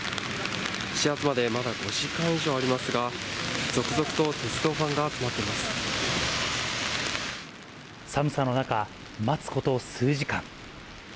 始発までまだ５時間以上ありますが、続々と鉄道ファンが集まって寒さの中、待つこと数時間。